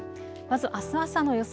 まずあす朝の予想